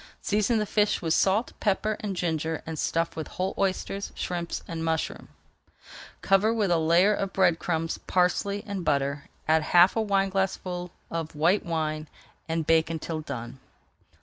Season the fish with salt, pepper, and ginger, and stuff with whole oysters, shrimps, and mushrooms. Cover with a layer of bread crumbs, parsley, and butter, add half a wineglassful of white wine, and bake until done.